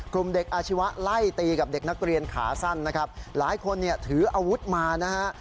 กลุ่มเด็กอาชีวะไล่ตีกับเด็กนักเรียนขาสั้นนะครับหลายคนเนี่ยถืออาวุธมานะฮะ